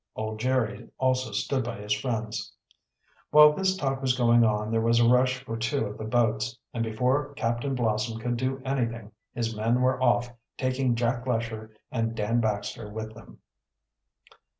Old Jerry also stood by his friends. While this talk was going on there was a rush for two of the boats, and before Captain Blossom could do anything his men were off, taking Jack Lesher and Dan Baxter with them.